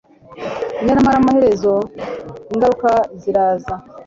nyamara amaherezo ingaruka ziraza